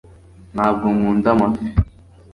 ntabwo nkunda amafi